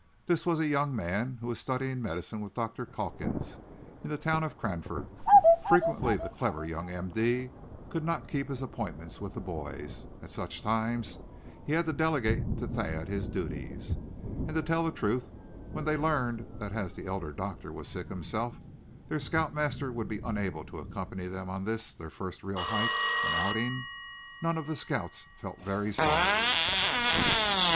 This was a young man who was studying medicine with Dr. Calkins in the town of Cranford. Frequently the clever young M.D. could not keep his appointments with his boys; at such times he had to delegate to Thad his duties. And to tell the truth when they learned that as the elder doctor was sick himself, their scout master would be unable to accompany them on this, their first real hike and outing, none of the scouts felt very sorry.